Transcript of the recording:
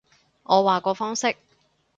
我話個方式